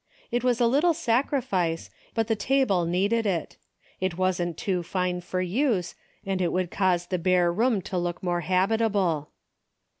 It was a lit tle sacrifice but the table needed it. It wasn't too fine for use, and it would cause the bare room to look more habitable.